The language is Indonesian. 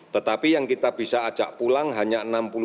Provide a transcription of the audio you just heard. tetapi yang kita bisa ajak pulang hanya enam puluh sembilan